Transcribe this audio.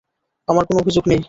আমার কোন অভিযোগ নেই।